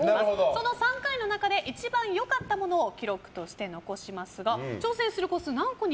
その３回の中で一番良かったものを記録として残しますが挑戦する個数